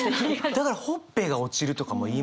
だから「ほっぺが落ちる」とかも言いますもんね。